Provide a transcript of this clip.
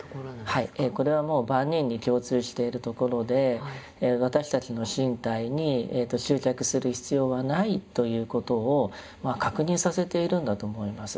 これはもう万人に共通しているところで「私たちの身体に執着する必要はない」ということを確認させているんだと思います。